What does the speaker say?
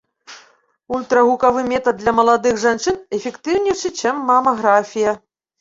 Ультрагукавы метад для маладых жанчын эфектыўнейшы, чым мамаграфія.